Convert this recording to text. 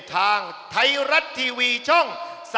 ทางไทยรัฐทีวีช่อง๓๒